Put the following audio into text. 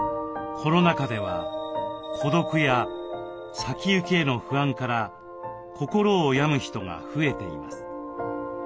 コロナ禍では孤独や先行きへの不安から心を病む人が増えています。